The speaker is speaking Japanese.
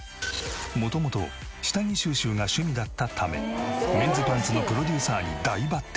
元々下着収集が趣味だったためメンズパンツのプロデューサーに大抜擢。